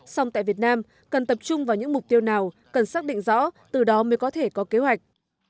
song tại việt nam cần tập trung vào những mục tiêu nào cần xác định rõ từ đó mới có thể có kế hoạch